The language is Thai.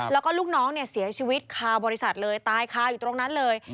แล้วก็ลูกน้องเนี่ยเสียชีวิตคาบริษัทเลยตายคาอยู่ตรงนั้นเลย